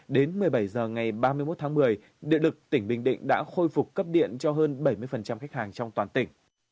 đến một mươi bảy h ngày ba mươi một tháng một mươi địa lực tỉnh bình định đã khôi phục cấp điện cho hơn bảy mươi khách hàng trong toàn tỉnh